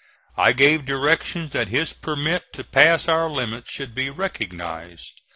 I gave directions that his permit to pass our limits should be recognized.